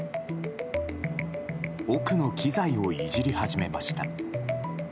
奥の機材をいじり始めました。